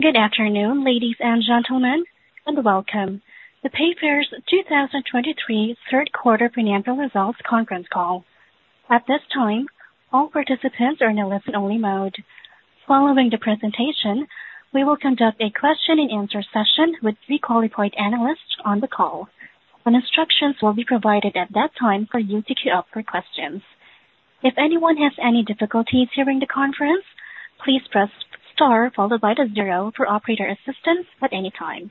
Good afternoon, ladies and gentlemen, and welcome to Payfare's 2023 third quarter financial results conference call. At this time, all participants are in a listen-only mode. Following the presentation, we will conduct a question-and-answer session with three qualified analysts on the call, when instructions will be provided at that time for you to queue up for questions. If anyone has any difficulties during the conference, please press star followed by the zero for operator assistance at any time.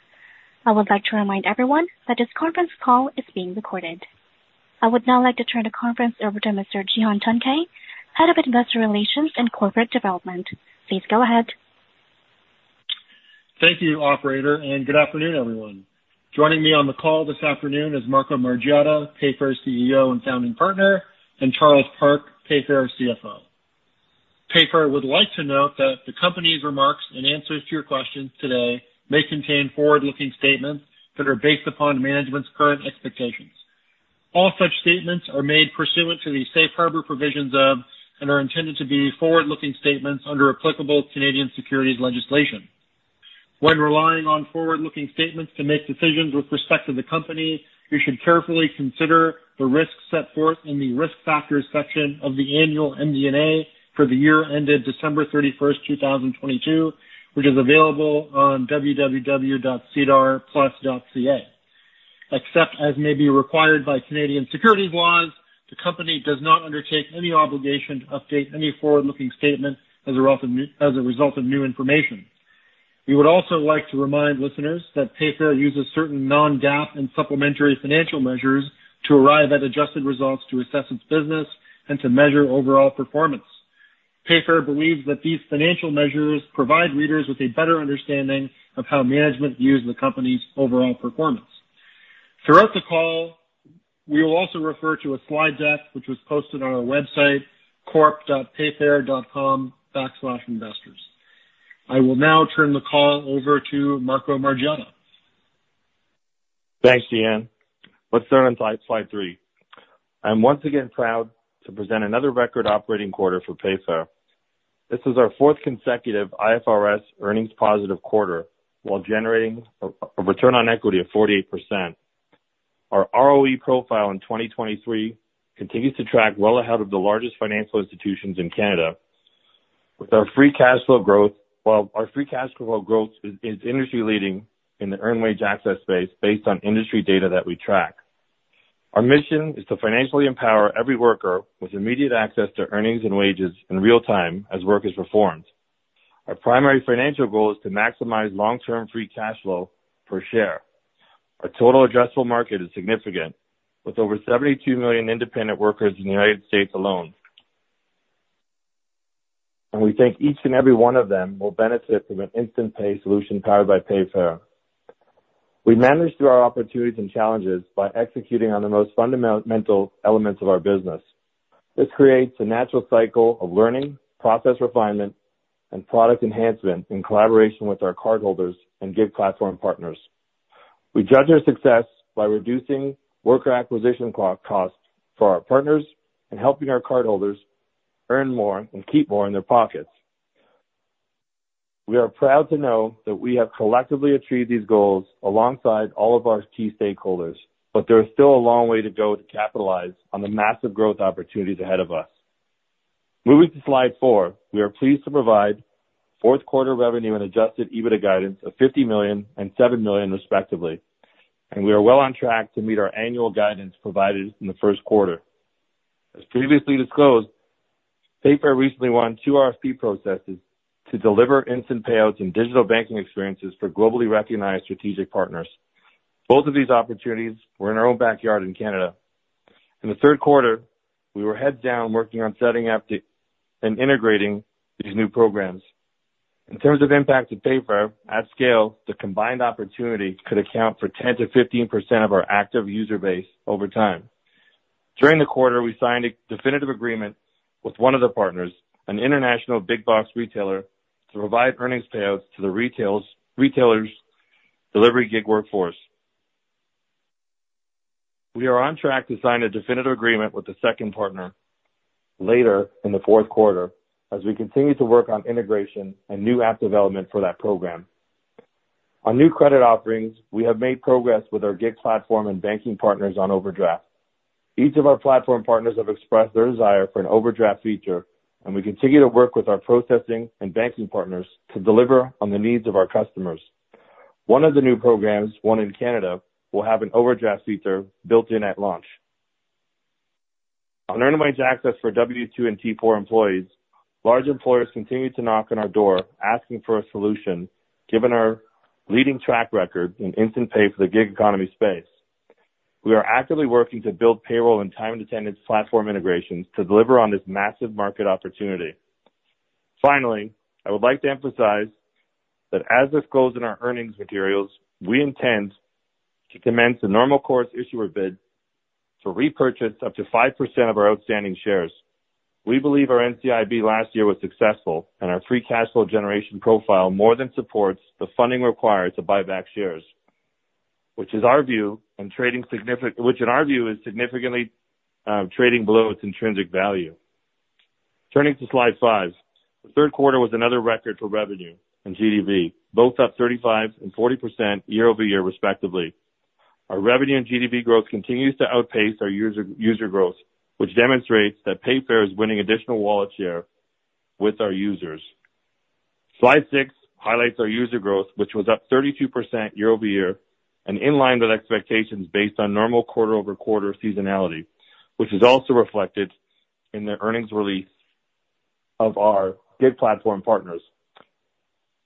I would like to remind everyone that this conference call is being recorded. I would now like to turn the conference over to Mr. Cihan Tuncay, Head of Investor Relations and Corporate Development. Please go ahead. Thank you, operator, and good afternoon, everyone. Joining me on the call this afternoon is Marco Margiotta, Payfare's CEO and Founding Partner, and Charles Park, Payfare's CFO. Payfare would like to note that the company's remarks and answers to your questions today may contain forward-looking statements that are based upon management's current expectations. All such statements are made pursuant to the safe harbor provisions of, and are intended to be forward-looking statements under applicable Canadian securities legislation. When relying on forward-looking statements to make decisions with respect to the company, you should carefully consider the risks set forth in the Risk Factors section of the annual MD&A for the year ended December 31, 2022, which is available on www.sedarplus.ca. Except as may be required by Canadian securities laws, the company does not undertake any obligation to update any forward-looking statements as often, as a result of new information. We would also like to remind listeners that Payfare uses certain non-GAAP and supplementary financial measures to arrive at adjusted results to assess its business and to measure overall performance. Payfare believes that these financial measures provide readers with a better understanding of how management views the company's overall performance. Throughout the call, we will also refer to a slide deck, which was posted on our website, corp.payfare.com/investors. I will now turn the call over to Marco Margiotta. Thanks, Cihan. Let's start on slide 3. I am once again proud to present another record operating quarter for Payfare. This is our fourth consecutive IFRS earnings positive quarter, while generating a return on equity of 48%. Our ROE profile in 2023 continues to track well ahead of the largest financial institutions in Canada. With our free cash flow growth... Well, our free cash flow growth is industry-leading in the earned wage access space based on industry data that we track. Our mission is to financially empower every worker with immediate access to earnings and wages in real time as work is performed. Our primary financial goal is to maximize long-term free cash flow per share. Our total addressable market is significant, with over 72 million independent workers in the United States alone. We think each and every one of them will benefit from an instant pay solution powered by Payfare. We manage through our opportunities and challenges by executing on the most fundamental elements of our business. This creates a natural cycle of learning, process refinement, and product enhancement in collaboration with our cardholders and gig platform partners. We judge our success by reducing worker acquisition co-costs for our partners and helping our cardholders earn more and keep more in their pockets. We are proud to know that we have collectively achieved these goals alongside all of our key stakeholders, but there is still a long way to go to capitalize on the massive growth opportunities ahead of us. Moving to slide 4, we are pleased to provide fourth quarter revenue and Adjusted EBITDA guidance of 50 million and 7 million, respectively, and we are well on track to meet our annual guidance provided in the first quarter. As previously disclosed, Payfare recently won two RFP processes to deliver instant payouts and digital banking experiences for globally recognized strategic partners. Both of these opportunities were in our own backyard in Canada. In the third quarter, we were heads down, working on setting up and integrating these new programs. In terms of impact to Payfare, at scale, the combined opportunity could account for 10%-15% of our active user base over time. During the quarter, we signed a definitive agreement with one of the partners, an international big box retailer, to provide earnings payouts to the retailers' delivery gig workforce. We are on track to sign a definitive agreement with the second partner later in the fourth quarter as we continue to work on integration and new app development for that program. On new credit offerings, we have made progress with our gig platform and banking partners on overdraft. Each of our platform partners have expressed their desire for an overdraft feature, and we continue to work with our processing and banking partners to deliver on the needs of our customers. One of the new programs, one in Canada, will have an overdraft feature built in at launch. On earned wage access for W-2 and T-4 employees, large employers continue to knock on our door asking for a solution, given our leading track record in instant pay for the gig economy space. We are actively working to build payroll and time and attendance platform integrations to deliver on this massive market opportunity. Finally, I would like to emphasize that as disclosed in our earnings materials, we intend to commence a normal course issuer bid to repurchase up to 5% of our outstanding shares. We believe our NCIB last year was successful, and our free cash flow generation profile more than supports the funding required to buy back shares, which, in our view, is trading significantly below its intrinsic value. Turning to slide 5. The third quarter was another record for revenue and GDV, both up 35% and 40% year-over-year, respectively. Our revenue and GDV growth continues to outpace our user growth, which demonstrates that Payfare is winning additional wallet share with our users. Slide 6 highlights our user growth, which was up 32% year-over-year, and in line with expectations based on normal quarter-over-quarter seasonality, which is also reflected in the earnings release of our gig platform partners.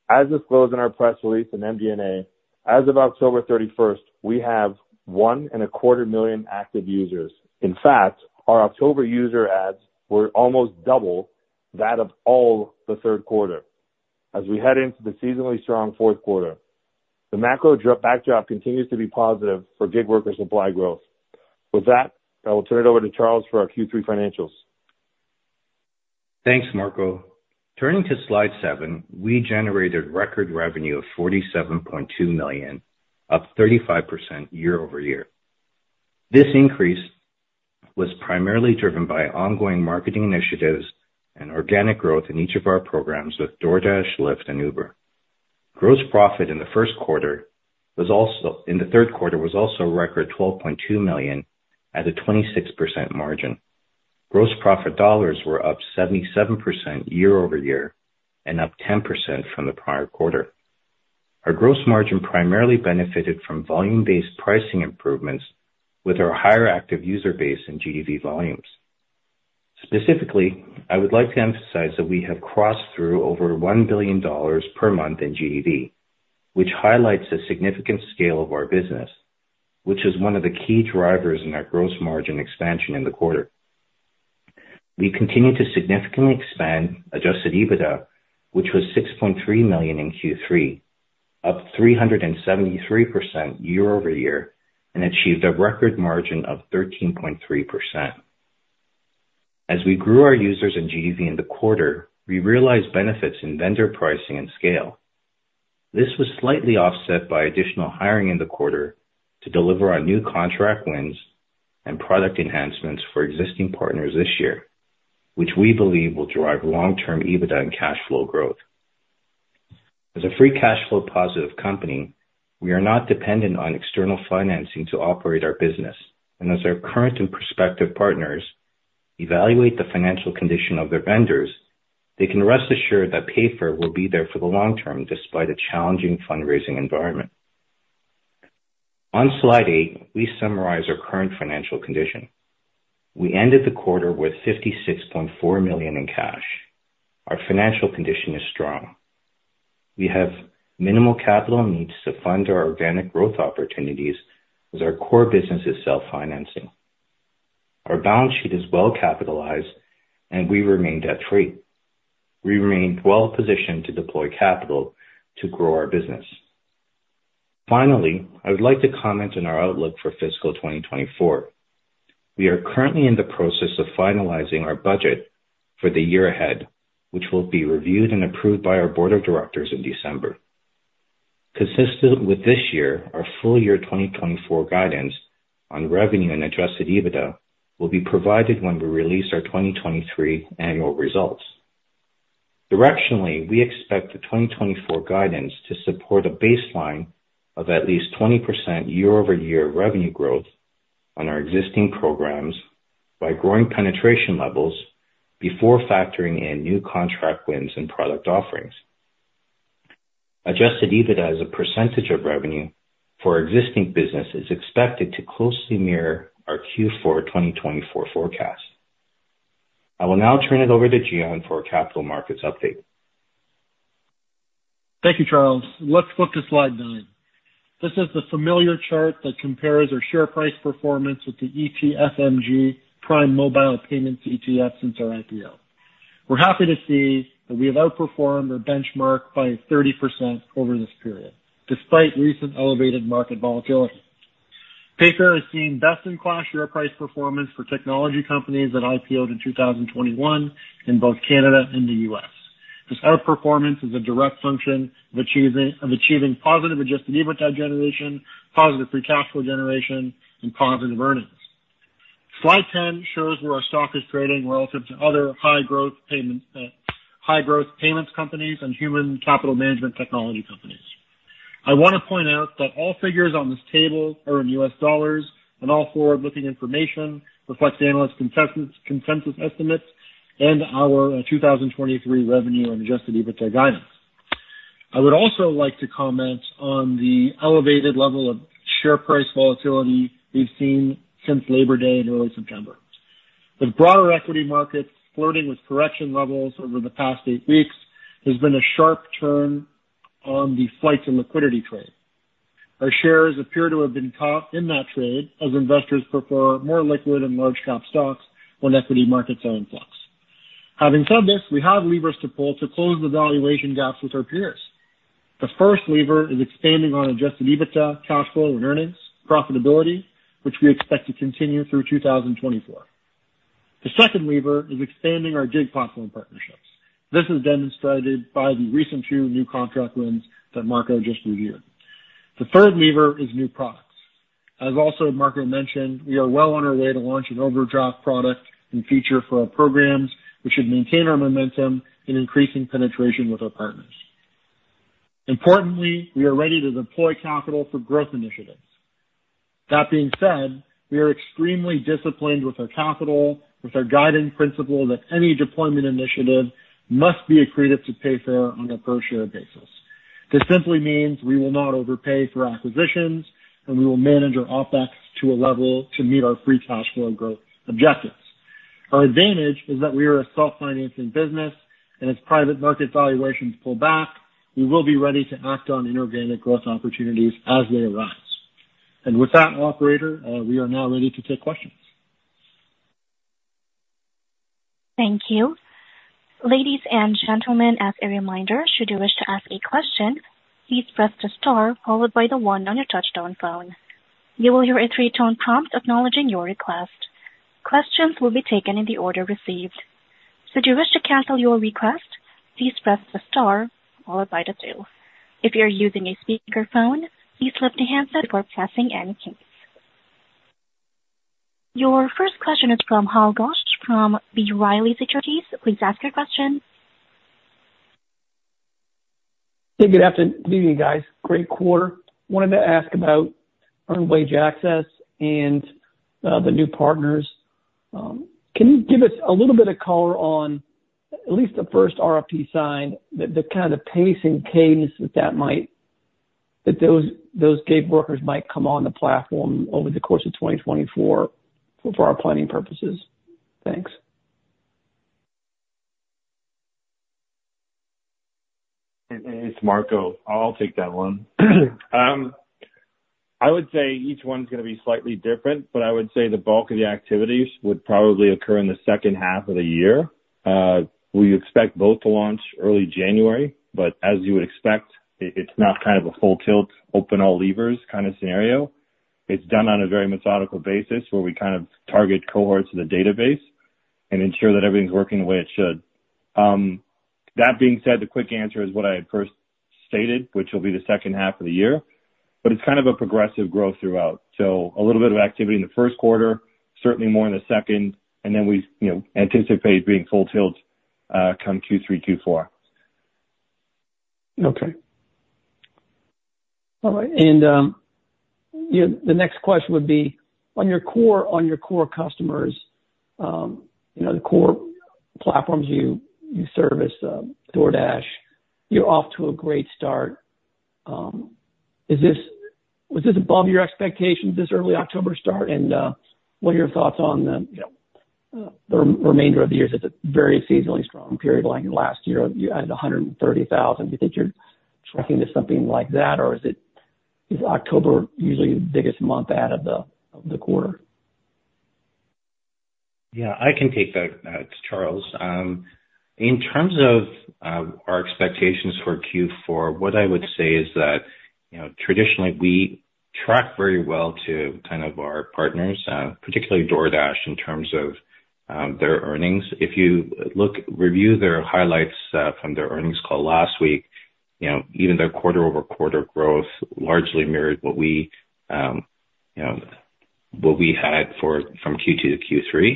As disclosed in our press release and MD&A, as of October 31, we have 1.25 million active users. In fact, our October user adds were almost double that of all the third quarter. As we head into the seasonally strong fourth quarter, the macroeconomic backdrop continues to be positive for gig worker supply growth. With that, I will turn it over to Charles for our Q3 financials. Thanks, Marco. Turning to slide seven, we generated record revenue of $47.2 million, up 35% year-over-year. This increase was primarily driven by ongoing marketing initiatives and organic growth in each of our programs with DoorDash, Lyft, and Uber. Gross profit in the third quarter was also a record $12.2 million at a 26% margin. Gross profit dollars were up 77% year-over-year and up 10% from the prior quarter. Our gross margin primarily benefited from volume-based pricing improvements with our higher active user base in GDV volumes. Specifically, I would like to emphasize that we have crossed through over $1 billion per month in GDV, which highlights the significant scale of our business, which is one of the key drivers in our gross margin expansion in the quarter. We continue to significantly expand Adjusted EBITDA, which was 6.3 million in Q3, up 373% year-over-year, and achieved a record margin of 13.3%. As we grew our users in GDV in the quarter, we realized benefits in vendor pricing and scale. This was slightly offset by additional hiring in the quarter to deliver our new contract wins and product enhancements for existing partners this year, which we believe will drive long-term EBITDA and cash flow growth. As a free cash flow positive company, we are not dependent on external financing to operate our business, and as our current and prospective partners evaluate the financial condition of their vendors, they can rest assured that Payfare will be there for the long term, despite a challenging fundraising environment. On slide 8, we summarize our current financial condition. We ended the quarter with 56.4 million in cash. Our financial condition is strong. We have minimal capital needs to fund our organic growth opportunities, as our core business is self-financing. Our balance sheet is well capitalized, and we remain debt-free. We remain well positioned to deploy capital to grow our business. Finally, I would like to comment on our outlook for fiscal 2024. We are currently in the process of finalizing our budget for the year ahead, which will be reviewed and approved by our board of directors in December. Consistent with this year, our full year 2024 guidance on revenue and Adjusted EBITDA will be provided when we release our 2023 annual results. Directionally, we expect the 2024 guidance to support a baseline of at least 20% year-over-year revenue growth on our existing programs by growing penetration levels before factoring in new contract wins and product offerings. Adjusted EBITDA as a percentage of revenue for our existing business is expected to closely mirror our Q4 2024 forecast. I will now turn it over to Cihan for our capital markets update. Thank you, Charles. Let's flip to slide 9. This is the familiar chart that compares our share price performance with the ETFMG Prime Mobile Payments ETF since our IPO. We're happy to see that we have outperformed our benchmark by 30% over this period, despite recent elevated market volatility. Payfare has seen best-in-class share price performance for technology companies that IPO'd in 2021 in both Canada and the U.S. This outperformance is a direct function of achieving positive Adjusted EBITDA generation, positive free cash flow generation, and positive earnings. Slide 10 shows where our stock is trading relative to other high growth payment, high growth payments companies and human capital management technology companies. I want to point out that all figures on this table are in US dollars, and all forward-looking information reflects the analyst's consensus, consensus estimates and our 2023 revenue and Adjusted EBITDA guidance. I would also like to comment on the elevated level of share price volatility we've seen since Labor Day in early September. The broader equity markets, flirting with correction levels over the past 8 weeks, has been a sharp turn on the flight to liquidity trade. Our shares appear to have been caught in that trade, as investors prefer more liquid and large cap stocks when equity markets are in flux. Having said this, we have levers to pull to close the valuation gaps with our peers. The first lever is expanding on Adjusted EBITDA, cash flow and earnings profitability, which we expect to continue through 2024. ...The second lever is expanding our gig platform partnerships. This is demonstrated by the recent few new contract wins that Marco just reviewed. The third lever is new products. As also Marco mentioned, we are well on our way to launch an overdraft product and feature for our programs, which should maintain our momentum in increasing penetration with our partners. Importantly, we are ready to deploy capital for growth initiatives. That being said, we are extremely disciplined with our capital, with our guiding principle that any deployment initiative must be accretive to Payfare on a per share basis. This simply means we will not overpay for acquisitions, and we will manage our OpEx to a level to meet our free cash flow growth objectives. Our advantage is that we are a self-financing business, and as private market valuations pull back, we will be ready to act on inorganic growth opportunities as they arise. And with that, operator, we are now ready to take questions. Thank you. Ladies and gentlemen, as a reminder, should you wish to ask a question, please press the star followed by the one on your touchtone phone. You will hear a three-tone prompt acknowledging your request. Questions will be taken in the order received. Should you wish to cancel your request, please press the star followed by the two. If you're using a speakerphone, please lift the handset before pressing any keys. Your first question is from Hal Goetsch from B. Riley Securities. Please ask your question. Hey, good afternoon, guys. Great quarter. Wanted to ask about earned wage access and the new partners. Can you give us a little bit of color on at least the first RFP sign, the kind of pace and cadence that those gig workers might come on the platform over the course of 2024 for our planning purposes? Thanks. It's Marco. I'll take that one. I would say each one's gonna be slightly different, but I would say the bulk of the activities would probably occur in the second half of the year. We expect both to launch early January, but as you would expect, it's not kind of a full tilt, open all levers kind of scenario. It's done on a very methodical basis, where we kind of target cohorts in the database and ensure that everything's working the way it should. That being said, the quick answer is what I had first stated, which will be the second half of the year, but it's kind of a progressive growth throughout. So a little bit of activity in the first quarter, certainly more in the second, and then we, you know, anticipate being full tilt come Q3, Q4. Okay. All right, and you know, the next question would be, on your core, on your core customers, you know, the core platforms you service, DoorDash, you're off to a great start. Was this above your expectations, this early October start? And what are your thoughts on the, you know, the remainder of the year? It's a very seasonally strong period. Like last year, you added 130,000. Do you think you're tracking to something like that, or is October usually the biggest month out of the quarter? Yeah, I can take that. It's Charles. In terms of our expectations for Q4, what I would say is that, you know, traditionally, we track very well to kind of our partners, particularly DoorDash, in terms of their earnings. If you look, review their highlights from their earnings call last week, you know, even their quarter over quarter growth largely mirrored what we, you know, what we had for from Q2 to Q3.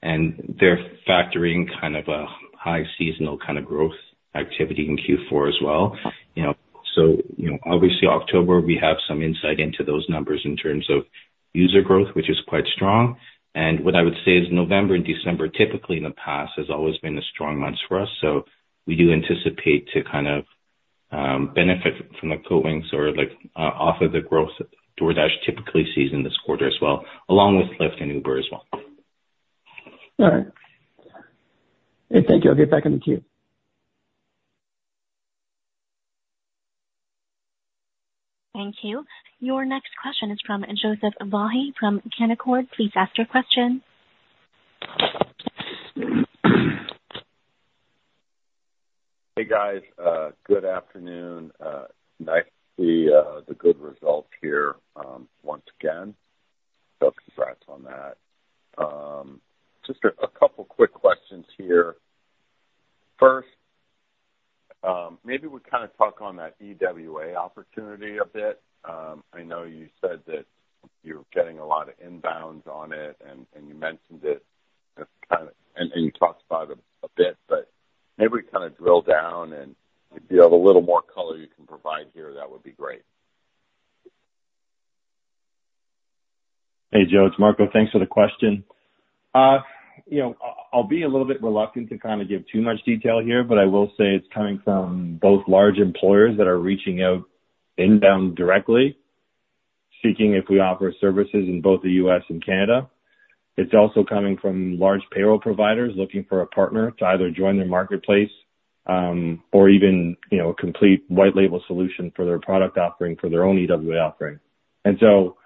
And they're factoring kind of a high seasonal kind of growth activity in Q4 as well. You know, so, you know, obviously October, we have some insight into those numbers in terms of user growth, which is quite strong. And what I would say is November and December, typically in the past, has always been the strong months for us. We do anticipate to kind of benefit from the coattails or, like, off of the growth DoorDash typically sees in this quarter as well, along with Lyft and Uber as well. All right. Hey, thank you. I'll get back in the queue. Thank you. Your next question is from Joseph Vafi from Canaccord. Please ask your question. Hey, guys, good afternoon. Nice to see the good results here, once again. So congrats on that. Just a couple quick questions here. First, maybe we kind of talk on that EWA opportunity a bit. I know you said that you're getting a lot of inbounds on it, and you mentioned it kind of, and you talked about it a bit, but maybe kind of drill down and if you have a little more color you can provide here, that would be great. Hey, Joe, it's Marco. Thanks for the question. You know, I'll be a little bit reluctant to kind of give too much detail here, but I will say it's coming from both large employers that are reaching out inbound directly, seeking if we offer services in both the U.S. and Canada. It's also coming from large payroll providers looking for a partner to either join their marketplace, or even, you know, a complete white label solution for their product offering, for their own EWA offering. And so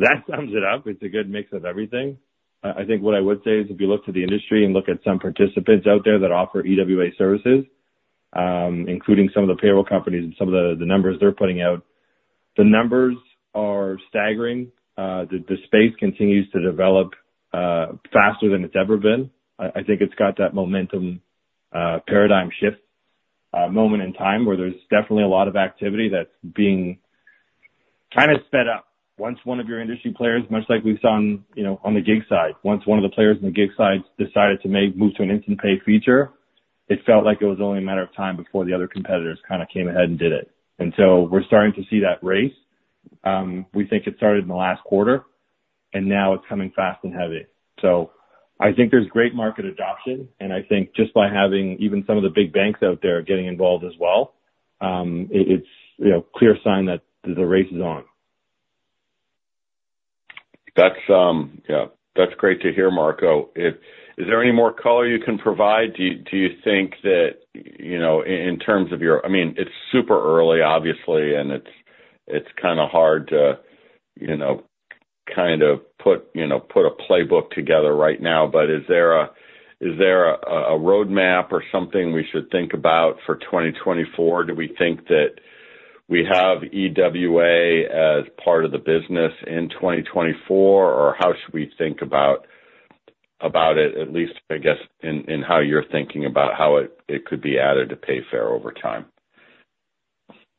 that sums it up. It's a good mix of everything. I, I think what I would say is, if you look to the industry and look at some participants out there that offer EWA services, including some of the payroll companies and some of the, the numbers they're putting out, the numbers are staggering. The space continues to develop faster than it's ever been. I think it's got that momentum, paradigm shift, moment in time where there's definitely a lot of activity that's being kind of sped up. Once one of your industry players, much like we've saw on, you know, on the gig side, once one of the players on the gig side decided to make a move to an instant pay feature, it felt like it was only a matter of time before the other competitors kind of came ahead and did it. And so we're starting to see that race. We think it started in the last quarter, and now it's coming fast and heavy. I think there's great market adoption, and I think just by having even some of the big banks out there getting involved as well, it's, you know, clear sign that the race is on. That's, yeah, that's great to hear, Marco. Is there any more color you can provide? Do you think that, you know, in terms of your... I mean, it's super early, obviously, and it's kind of hard to, you know, put a playbook together right now. But is there a roadmap or something we should think about for 2024? Do we think that we have EWA as part of the business in 2024? Or how should we think about it, at least, I guess, in how you're thinking about how it could be added to Payfare over time?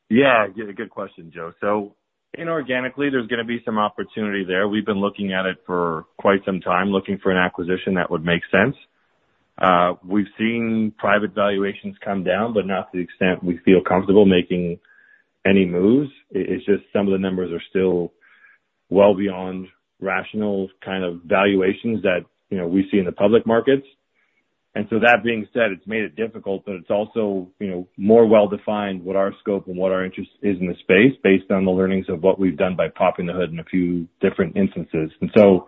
Yeah, good question, Joe. So inorganically, there's gonna be some opportunity there. We've been looking at it for quite some time, looking for an acquisition that would make sense. We've seen private valuations come down, but not to the extent we feel comfortable making any moves. It, it's just some of the numbers are still well beyond rational kind of valuations that, you know, we see in the public markets. And so that being said, it's made it difficult, but it's also, you know, more well-defined what our scope and what our interest is in the space, based on the learnings of what we've done by popping the hood in a few different instances. And so,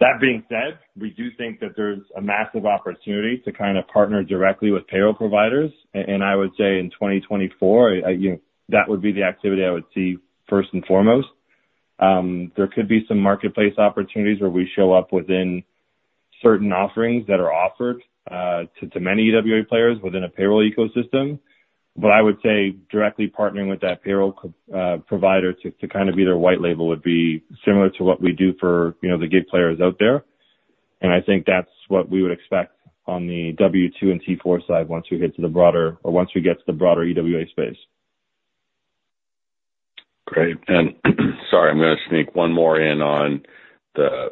that being said, we do think that there's a massive opportunity to kind of partner directly with payroll providers. And I would say in 2024, that would be the activity I would see first and foremost. There could be some marketplace opportunities where we show up within certain offerings that are offered to many EWA players within a payroll ecosystem. But I would say directly partnering with that payroll company provider to kind of be their white label would be similar to what we do for, you know, the gig players out there. And I think that's what we would expect on the W-2 and T-4 side once we get to the broader EWA space. Great. And sorry, I'm gonna sneak one more in on the,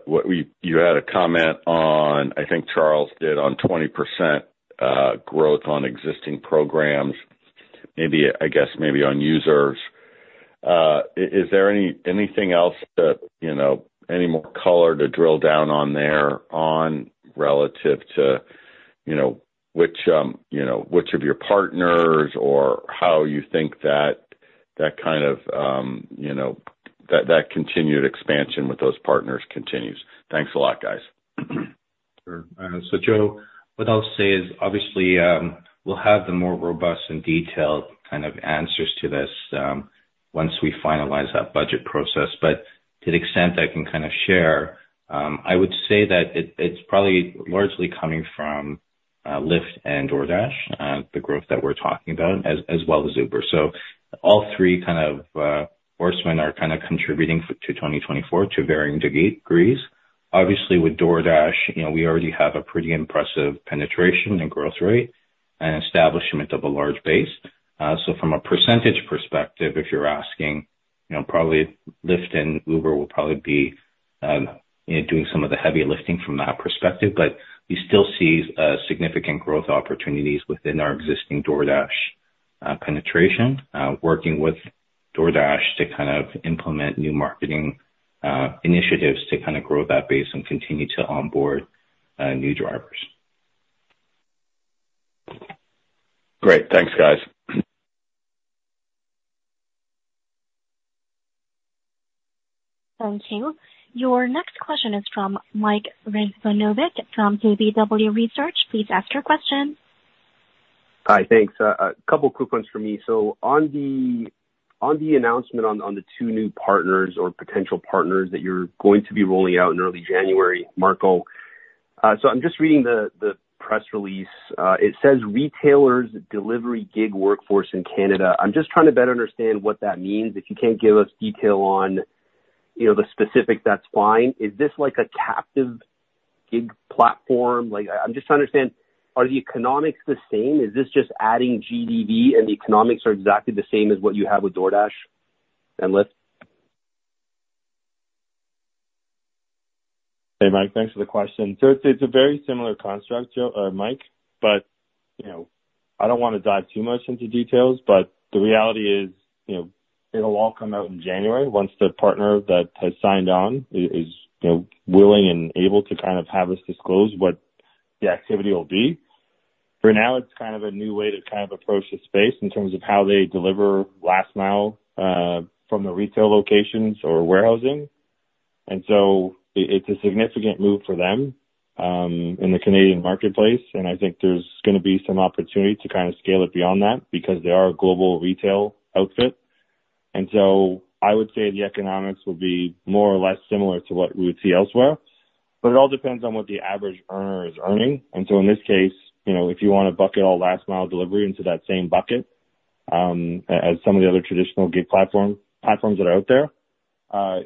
what we, you had a comment on, I think Charles did, on 20% growth on existing programs, maybe, I guess, maybe on users. Is there anything else that, you know, any more color to drill down on there on relative to, you know, which, you know, which of your partners or how you think that, that kind of, you know, that, that continued expansion with those partners continues? Thanks a lot, guys. Sure. So Joe, what I'll say is obviously we'll have the more robust and detailed kind of answers to this once we finalize that budget process. But to the extent I can kind of share, I would say that it, it's probably largely coming from Lyft and DoorDash, the growth that we're talking about, as well as Uber. So all three kind of horsemen are kind of contributing to 2024 to varying degrees. Obviously, with DoorDash, you know, we already have a pretty impressive penetration and growth rate and establishment of a large base. So from a percentage perspective, if you're asking, you know, probably Lyft and Uber will probably be, you know, doing some of the heavy lifting from that perspective. But we still see significant growth opportunities within our existing DoorDash penetration, working with DoorDash to kind of implement new marketing initiatives to kind of grow that base and continue to onboard new drivers. Great. Thanks, guys. Thank you. Your next question is from Mike Rizvanovic from KBW. Please ask your question. Hi, thanks. A couple quick ones for me. So on the announcement on the two new partners or potential partners that you're going to be rolling out in early January, Marco. So I'm just reading the press release. It says, "Retailers, delivery gig workforce in Canada." I'm just trying to better understand what that means. If you can't give us detail on, you know, the specifics, that's fine. Is this like a captive gig platform? Like, I'm just trying to understand, are the economics the same? Is this just adding GDV and the economics are exactly the same as what you have with DoorDash and Lyft? Hey, Mike, thanks for the question. So it's a very similar construct, Mike, but you know, I don't want to dive too much into details, but the reality is, you know, it'll all come out in January once the partner that has signed on is, you know, willing and able to kind of have us disclose what the activity will be. For now, it's kind of a new way to kind of approach the space in terms of how they deliver last mile from the retail locations or warehousing. And so it's a significant move for them in the Canadian marketplace, and I think there's gonna be some opportunity to kind of scale it beyond that, because they are a global retail outfit. And so I would say the economics will be more or less similar to what we would see elsewhere. It all depends on what the average earner is earning. And so in this case, you know, if you want to bucket all last mile delivery into that same bucket, as some of the other traditional gig platforms that are out there,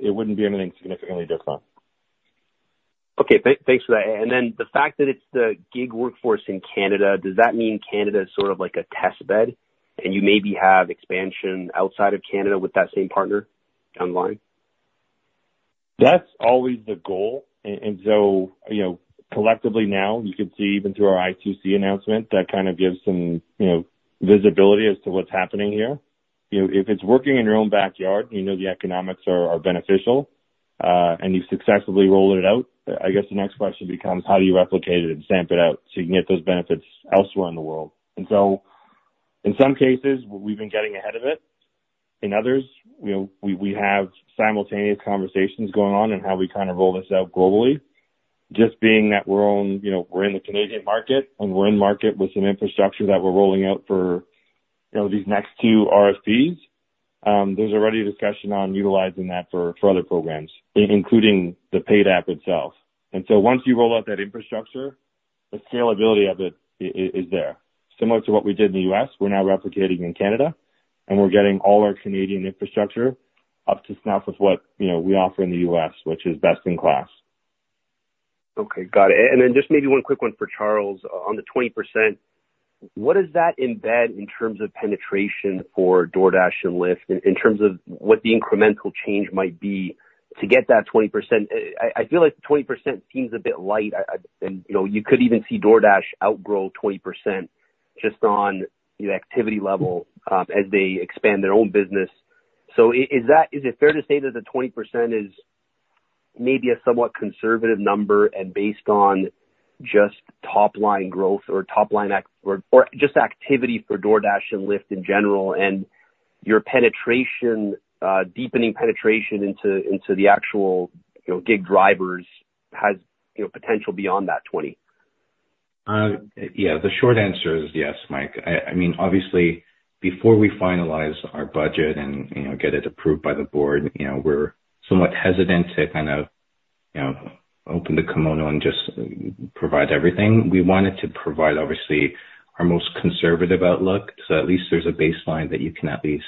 it wouldn't be anything significantly different. Okay. Thanks for that. And then the fact that it's the gig workforce in Canada, does that mean Canada is sort of like a test bed, and you maybe have expansion outside of Canada with that same partner down the line? That's always the goal. And so, you know, collectively now, you can see even through our i2c announcement, that kind of gives some, you know, visibility as to what's happening here. You know, if it's working in your own backyard, you know, the economics are beneficial, and you successfully roll it out, I guess the next question becomes: How do you replicate it and stamp it out, so you can get those benefits elsewhere in the world? And so, in some cases, we've been getting ahead of it. In others, you know, we have simultaneous conversations going on in how we kind of roll this out globally. Just being that we're on, you know, we're in the Canadian market, and we're in market with some infrastructure that we're rolling out for, you know, these next two RFPs, there's already a discussion on utilizing that for, for other programs, including the Paid App itself. And so once you roll out that infrastructure, the scalability of it is there. Similar to what we did in the U.S., we're now replicating in Canada, and we're getting all our Canadian infrastructure up to snuff with what, you know, we offer in the U.S., which is best in class. Okay, got it. And then just maybe one quick one for Charles. On the 20%, what does that embed in terms of penetration for DoorDash and Lyft, in terms of what the incremental change might be to get that 20%? I feel like 20% seems a bit light. And, you know, you could even see DoorDash outgrow 20% just on the activity level, as they expand their own business. So is that... Is it fair to say that the 20% is maybe a somewhat conservative number and based on just top line growth or top line or just activity for DoorDash and Lyft in general, and your penetration, deepening penetration into the actual, you know, gig drivers has, you know, potential beyond that 20%? Yeah, the short answer is yes, Mike. I mean, obviously, before we finalize our budget and, you know, get it approved by the board, you know, we're somewhat hesitant to kind of, you know, open the kimono and just provide everything. We wanted to provide, obviously, our most conservative outlook, so at least there's a baseline that you can at least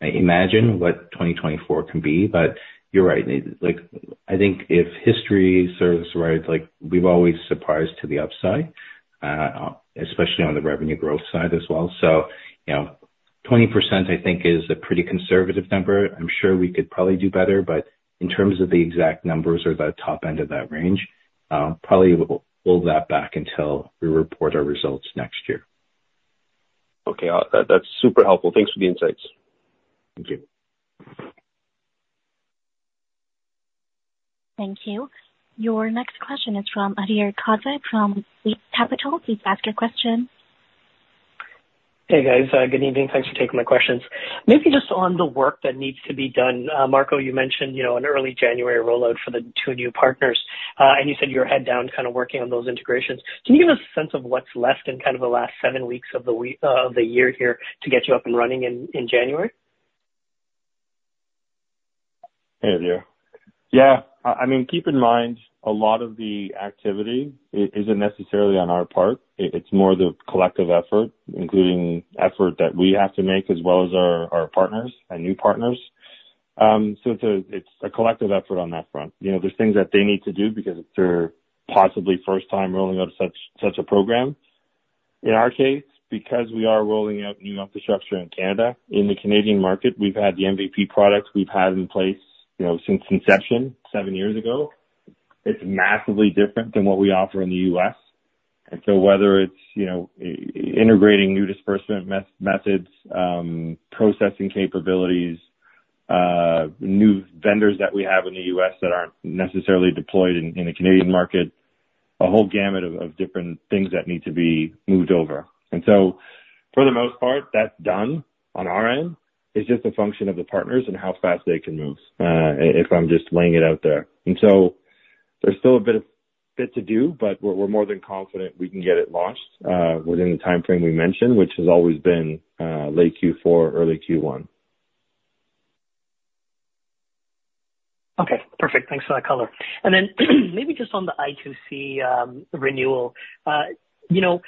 imagine what 2024 can be. But you're right. Like, I think if history serves right, like, we've always surprised to the upside, especially on the revenue growth side as well. So, you know, 20%, I think, is a pretty conservative number. I'm sure we could probably do better, but in terms of the exact numbers or the top end of that range, probably we'll hold that back until we report our results next year. Okay. That's super helpful. Thanks for the insights. Thank you. Thank you. Your next question is from Adhir Kadve from Eight Capital. Please ask your question. Hey, guys. Good evening. Thanks for taking my questions. Maybe just on the work that needs to be done. Marco, you mentioned, you know, an early January rollout for the two new partners, and you said you're head down, kind of working on those integrations. Can you give us a sense of what's left in kind of the last seven weeks of the year here to get you up and running in January? Hey, Adhir. Yeah, I mean, keep in mind, a lot of the activity isn't necessarily on our part. It's more the collective effort, including effort that we have to make, as well as our partners and new partners. So it's a collective effort on that front. You know, there's things that they need to do because it's their possibly first time rolling out such a program. In our case, because we are rolling out new infrastructure in Canada, in the Canadian market, we've had the MVP products we've had in place, you know, since inception seven years ago. It's massively different than what we offer in the U.S. Whether it's, you know, integrating new disbursement methods, processing capabilities, new vendors that we have in the U.S. that aren't necessarily deployed in the Canadian market, a whole gamut of different things that need to be moved over. For the most part, that's done on our end. It's just a function of the partners and how fast they can move, if I'm just laying it out there. There's still a bit to do, but we're more than confident we can get it launched within the timeframe we mentioned, which has always been late Q4, early Q1. Okay, perfect. Thanks for that color. And then maybe just on the ITC renewal. You know,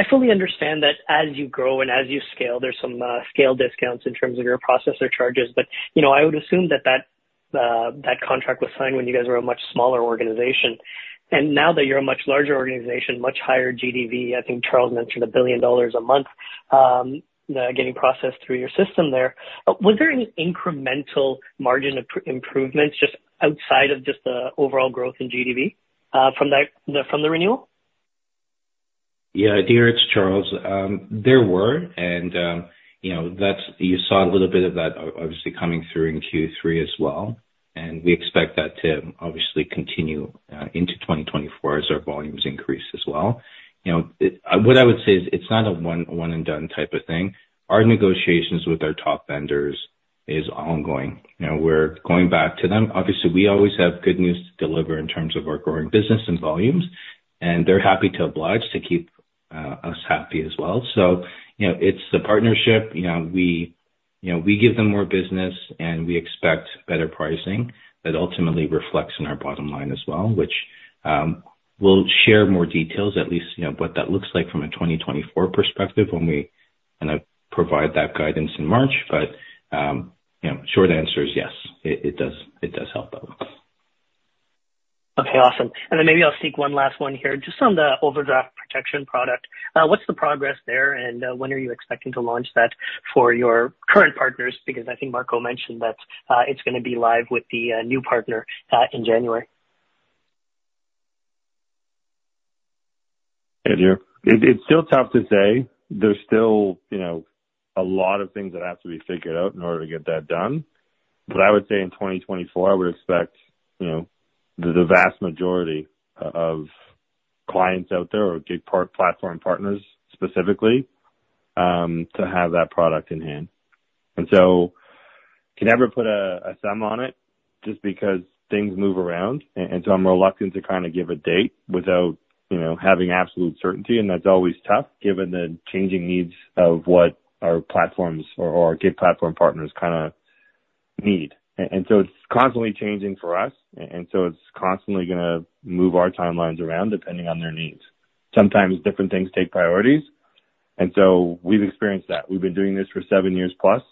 I fully understand that as you grow and as you scale, there's some scale discounts in terms of your processor charges, but, you know, I would assume that contract was signed when you guys were a much smaller organization. And now that you're a much larger organization, much higher GDV, I think Charles mentioned $1 billion a month getting processed through your system there, was there any incremental margin improvements just outside of just the overall growth in GDV from that renewal? Yeah, Adhir, it's Charles. There were, and, you know, that's you saw a little bit of that obviously coming through in Q3 as well, and we expect that to obviously continue into 2024 as our volumes increase as well. You know, what I would say is, it's not a one, one-and-done type of thing. Our negotiations with our top vendors is ongoing. You know, we're going back to them. Obviously, we always have good news to deliver in terms of our growing business and volumes, and they're happy to oblige to keep us happy as well. So, you know, it's the partnership, you know, we. You know, we give them more business, and we expect better pricing. That ultimately reflects in our bottom line as well, which, we'll share more details at least, you know, what that looks like from a 2024 perspective when we kind of provide that guidance in March. But, you know, short answer is yes, it, it does, it does help them. Okay, awesome. And then maybe I'll sneak one last one here. Just on the overdraft protection product, what's the progress there, and, when are you expecting to launch that for your current partners? Because I think Marco mentioned that, it's gonna be live with the, new partner, in January. Yeah, it's still tough to say. There's still, you know, a lot of things that have to be figured out in order to get that done. But I would say in 2024, I would expect, you know, the vast majority of clients out there or gig platform partners specifically, to have that product in hand. And so I can never put a sum on it just because things move around. And so I'm reluctant to kind of give a date without, you know, having absolute certainty, and that's always tough, given the changing needs of what our platforms or gig platform partners kind of need. And so it's constantly changing for us, and so it's constantly gonna move our timelines around, depending on their needs. Sometimes different things take priorities, and so we've experienced that. We've been doing this for seven years plus.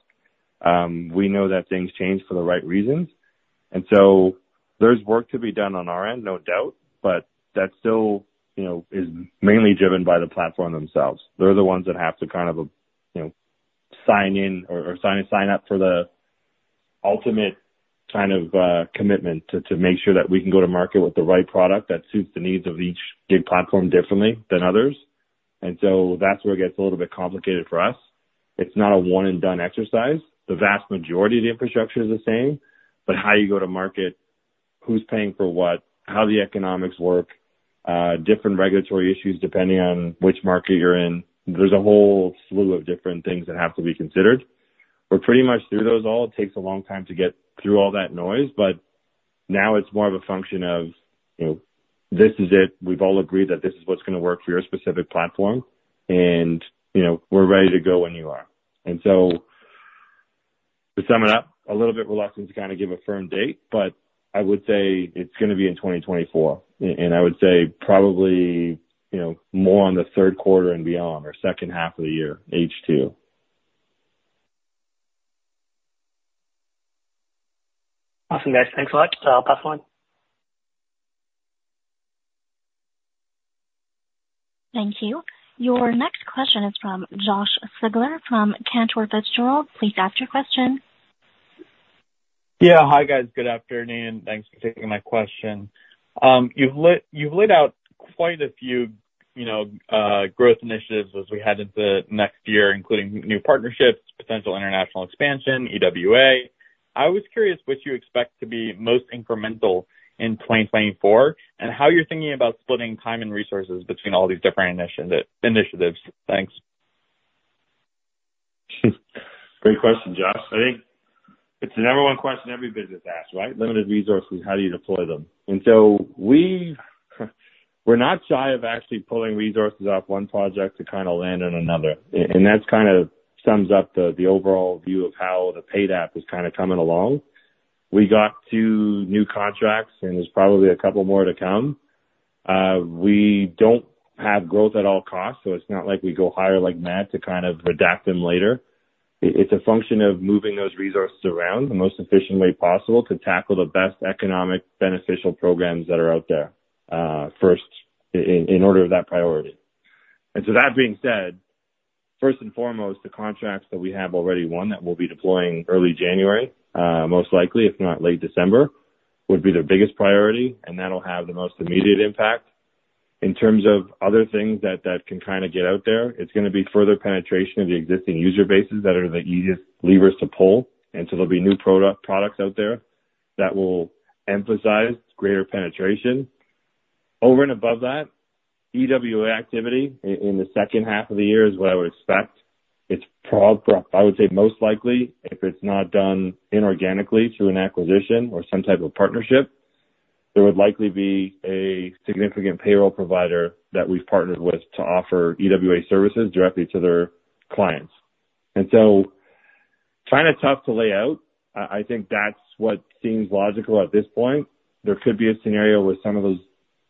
We know that things change for the right reasons, and so there's work to be done on our end, no doubt, but that still, you know, is mainly driven by the platform themselves. They're the ones that have to kind of, you know, sign in or sign up for the ultimate kind of commitment to make sure that we can go to market with the right product that suits the needs of each gig platform differently than others. And so that's where it gets a little bit complicated for us. It's not a one-and-done exercise. The vast majority of the infrastructure is the same, but how you go to market, who's paying for what, how the economics work, different regulatory issues, depending on which market you're in, there's a whole slew of different things that have to be considered. We're pretty much through those all. It takes a long time to get through all that noise, but now it's more of a function of, you know, this is it. We've all agreed that this is what's gonna work for your specific platform, and, you know, we're ready to go when you are. And so to sum it up, a little bit reluctant to kind of give a firm date, but I would say it's gonna be in 2024, and I would say probably, you know, more on the third quarter and beyond, or second half of the year, H2. Awesome, guys. Thanks a lot. I'll pass on. Thank you. Your next question is from Josh Siegler from Cantor Fitzgerald. Please ask your question. Yeah. Hi, guys. Good afternoon, and thanks for taking my question. You've laid out quite a few, you know, growth initiatives as we head into next year, including new partnerships, potential international expansion, EWA. I was curious what you expect to be most incremental in 2024, and how you're thinking about splitting time and resources between all these different initiatives? Thanks. Great question, Josh. I think it's the number one question every business asks, right? Limited resources, how do you deploy them? And so we're not shy of actually pulling resources off one project to kind of land on another, and that's kind of sums up the overall view of how the Paid App is kind of coming along. We got two new contracts, and there's probably a couple more to come. We don't have growth at all costs, so it's not like we go hire like mad to kind of redact them later. It's a function of moving those resources around the most efficient way possible to tackle the best economic beneficial programs that are out there, first in order of that priority. And so that being said, first and foremost, the contracts that we have already won, that we'll be deploying early January, most likely, if not late December, would be the biggest priority, and that'll have the most immediate impact. In terms of other things that can kind of get out there, it's gonna be further penetration of the existing user bases that are the easiest levers to pull, and so there'll be new products out there that will emphasize greater penetration. Over and above that, EWA activity in the second half of the year is what I would expect. It's, I would say, most likely, if it's not done inorganically through an acquisition or some type of partnership, there would likely be a significant payroll provider that we've partnered with to offer EWA services directly to their clients. And so kind of tough to lay out. I think that's what seems logical at this point. There could be a scenario where some of those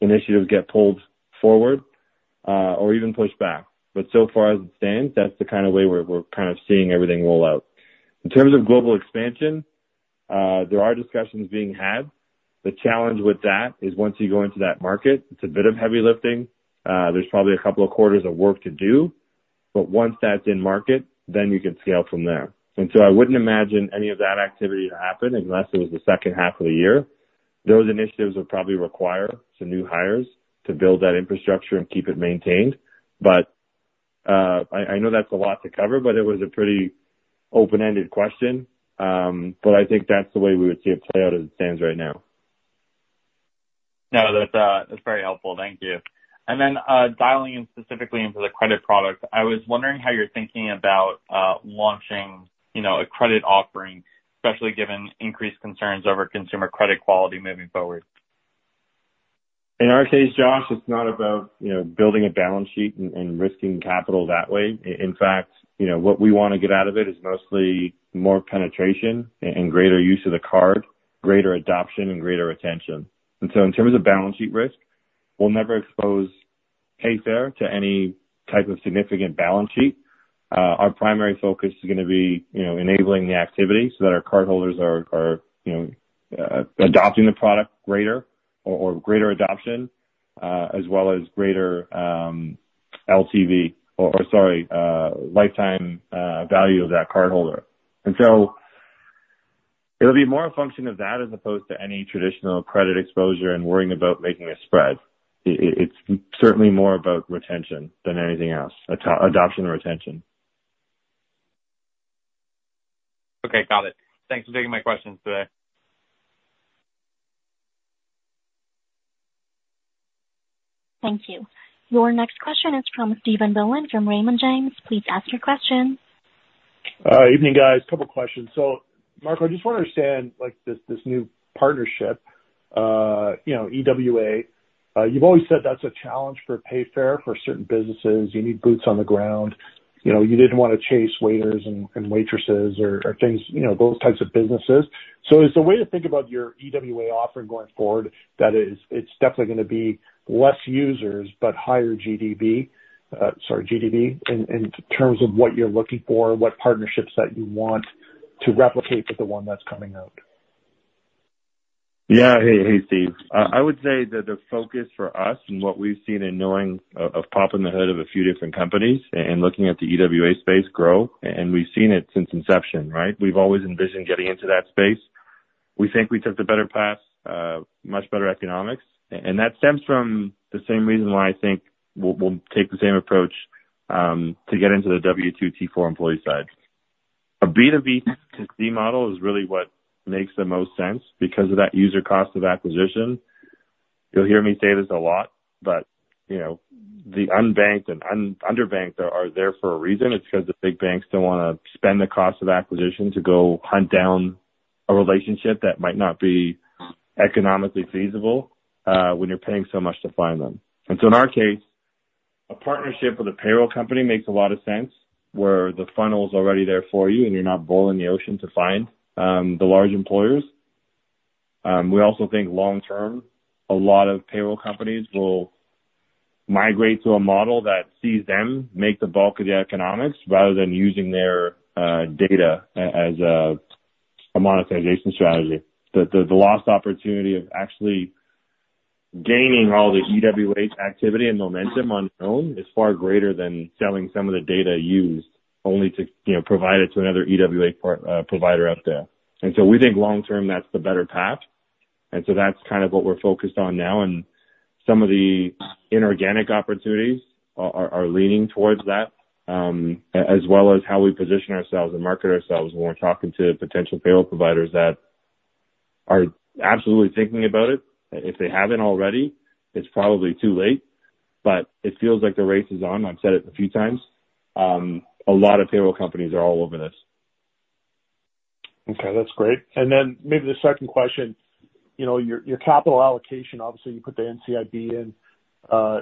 initiatives get pulled forward, or even pushed back, but so far as it stands, that's the kind of way we're kind of seeing everything roll out. In terms of global expansion, there are discussions being had. The challenge with that is once you go into that market, it's a bit of heavy lifting. There's probably a couple of quarters of work to do, but once that's in market, then you can scale from there. And so I wouldn't imagine any of that activity to happen unless it was the second half of the year. Those initiatives would probably require some new hires to build that infrastructure and keep it maintained. But, I know that's a lot to cover, but it was a pretty open-ended question. But I think that's the way we would see it play out as it stands right now. No, that's, that's very helpful. Thank you. And then, dialing in specifically into the credit product, I was wondering how you're thinking about, launching, you know, a credit offering, especially given increased concerns over consumer credit quality moving forward. ...In our case, Josh, it's not about, you know, building a balance sheet and risking capital that way. In fact, you know, what we wanna get out of it is mostly more penetration and greater use of the card, greater adoption, and greater retention. And so in terms of balance sheet risk, we'll never expose Payfare to any type of significant balance sheet risk. Our primary focus is gonna be, you know, enabling the activity so that our cardholders are adopting the product greater or greater adoption as well as greater LTV or sorry, lifetime value of that cardholder. And so it'll be more a function of that as opposed to any traditional credit exposure and worrying about making a spread. It's certainly more about retention than anything else, adoption and retention. Okay. Got it. Thanks for taking my questions today. Thank you. Your next question is from Stephen Boland from Raymond James. Please ask your question. Evening, guys. Couple questions. So Marco, I just wanna understand, like, this, this new partnership, you know, EWA. You've always said that's a challenge for Payfare for certain businesses. You need boots on the ground. You know, you didn't wanna chase waiters and waitresses or things, you know, those types of businesses. So is the way to think about your EWA offering going forward, that is, it's definitely gonna be less users, but higher GDV, in terms of what you're looking for, what partnerships that you want to replicate with the one that's coming out? Yeah. Hey, hey, Stephen. I would say that the focus for us and what we've seen in knowing of popping the hood of a few different companies and looking at the EWA space grow, and we've seen it since inception, right? We've always envisioned getting into that space. We think we took the better path, much better economics, and that stems from the same reason why I think we'll take the same approach to get into the W-2, T-4 employee side. A B2B2C model is really what makes the most sense because of that user cost of acquisition. You'll hear me say this a lot, but you know, the unbanked and underbanked are there for a reason. It's because the big banks don't wanna spend the cost of acquisition to go hunt down a relationship that might not be economically feasible, when you're paying so much to find them. So in our case, a partnership with a payroll company makes a lot of sense, where the funnel is already there for you, and you're not boiling the ocean to find the large employers. We also think long term, a lot of payroll companies will migrate to a model that sees them make the bulk of the economics, rather than using their data as a monetization strategy. The lost opportunity of actually gaining all the EWA activity and momentum on its own is far greater than selling some of the data used only to, you know, provide it to another EWA provider out there. And so we think long term, that's the better path, and so that's kind of what we're focused on now, and some of the inorganic opportunities are leaning towards that. As well as how we position ourselves and market ourselves when we're talking to potential payroll providers that are absolutely thinking about it. If they haven't already, it's probably too late, but it feels like the race is on. I've said it a few times. A lot of payroll companies are all over this. Okay, that's great. Then maybe the second question: You know, your, your capital allocation, obviously you put the NCIB in,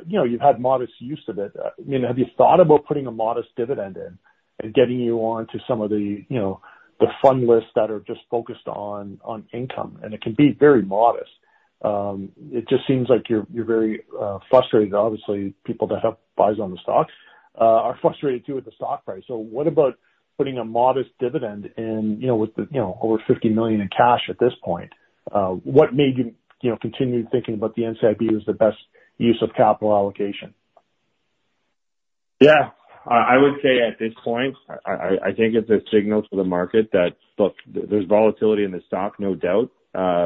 you know, you've had modest use of it. You know, have you thought about putting a modest dividend in and getting you on to some of the, you know, the fund lists that are just focused on, on income? And it can be very modest. It just seems like you're, you're very frustrated. Obviously, people that have buys on the stocks are frustrated too with the stock price. So what about putting a modest dividend in, you know, with the, you know, over 50 million in cash at this point? What made you, you know, continue thinking about the NCIB as the best use of capital allocation? Yeah. I would say at this point, I think it's a signal to the market that, look, there's volatility in the stock, no doubt.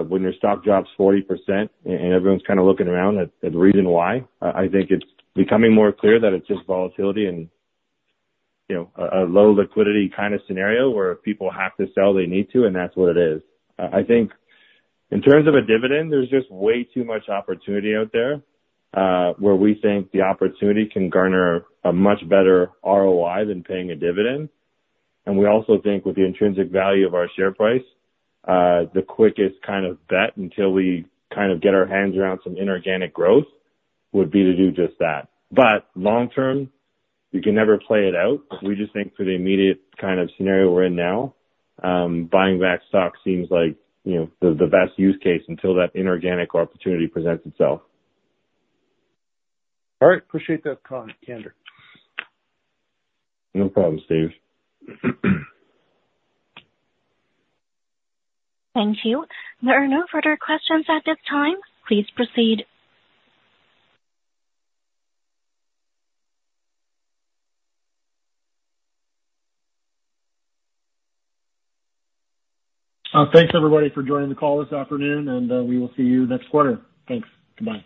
When your stock drops 40% and everyone's kind of looking around at the reason why, I think it's becoming more clear that it's just volatility and, you know, a low liquidity kind of scenario, where if people have to sell, they need to, and that's what it is. I think in terms of a dividend, there's just way too much opportunity out there, where we think the opportunity can garner a much better ROI than paying a dividend. And we also think with the intrinsic value of our share price, the quickest kind of bet until we kind of get our hands around some inorganic growth, would be to do just that. But long term, you can never play it out. We just think for the immediate kind of scenario we're in now, buying back stock seems like, you know, the best use case until that inorganic opportunity presents itself. All right. Appreciate that comment, Canaccord. No problem, Stephen. Thank you. There are no further questions at this time. Please proceed. Thanks, everybody, for joining the call this afternoon, and we will see you next quarter. Thanks. Goodbye.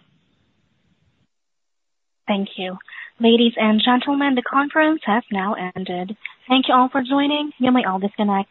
Thank you. Ladies and gentlemen, the conference has now ended. Thank you all for joining. You may all disconnect.